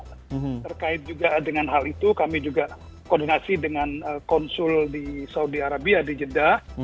terkait juga dengan hal itu kami juga koordinasi dengan konsul di saudi arabia di jeddah